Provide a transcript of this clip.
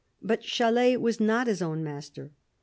But Chalais was not his own master.